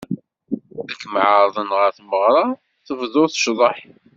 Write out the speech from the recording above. Ar kem-ɛeṛḍen ɣer tmeɣṛa, tebduḍ ccḍeḥ!